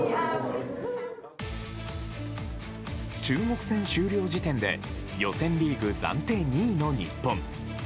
中国戦終了時点で予選リーグ暫定２位の日本。